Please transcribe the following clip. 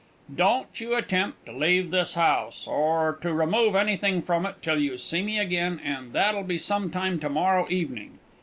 Don't you attempt to leave this house, or to remove anything from it, till you see me again, and that'll be some time to morrow evening.